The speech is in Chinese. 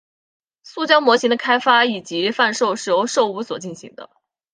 塑胶模型的开发以及贩售是由寿屋所进行的。